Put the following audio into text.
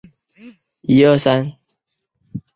学校有学生会和丰富的学生社团。